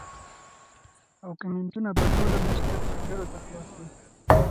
او کمنټونه به ټول عمر صرف ملکرو ته خلاص وي